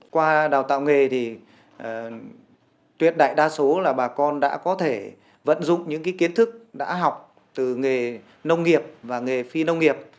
qua đào tạo nghề thì tuyệt đại đa số là bà con đã có thể vận dụng những kiến thức đã học từ nghề nông nghiệp và nghề phi nông nghiệp